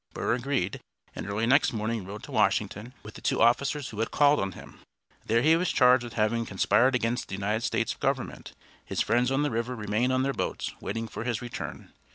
Burr agreed, and early next morning rode to Washington with the two officers who had called on him. There he was charged with having conspired against the United States government. His friends on the river remained on their boats, waiting for his return.